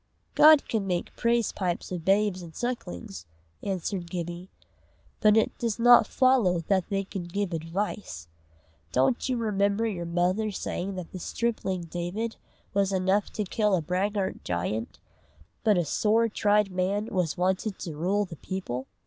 "God can make praise pipes of babes and sucklings," answered Gibbie; "but it does not follow that they can give advice. Don't you remember your mother saying that the stripling David was enough to kill a braggart giant, but a sore tried man was wanted to rule the people?"